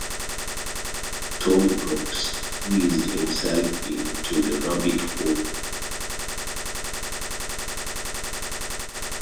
Tommy Brock squeezed himself into the rabbit hole with alacrity.